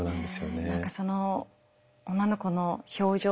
その女の子の表情